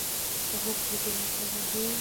که موږ د یوه انسان رنځ ووینو.